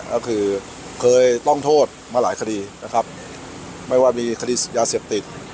ก็คือเคยต้องโทษมาหลายคดีนะครับไม่ว่ามีคดียาเสพติด